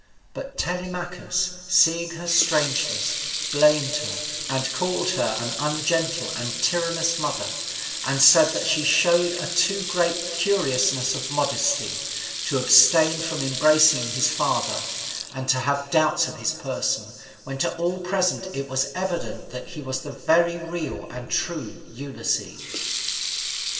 But Telemachus, seeing her strangeness, blamed her, and called her an ungentle and tyrannous mother; and said that she showed a too great curiousness of modesty, to abstain from embracing his father, and to have doubts of his person, when to all present it was evident that he was the very real and true Ulysses.